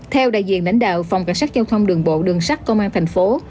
theo đại diện lãnh đạo phòng cảnh sát giao thông đường bộ đường sát công an thành phố